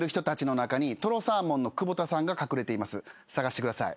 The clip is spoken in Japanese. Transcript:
捜してください。